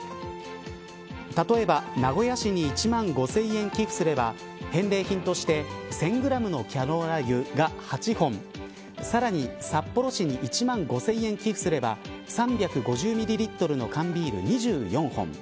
例えば、名古屋市に１万５０００円寄付すれば返礼品として１０００グラムのキャノーラ油が８本さらに札幌市に１万５０００円寄付すれば３５０ミリリットルの缶ビール２４本。